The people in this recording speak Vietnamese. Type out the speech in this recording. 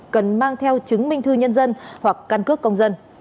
cần mang theo chứng minh thư nhân dân hoặc căn cước công dân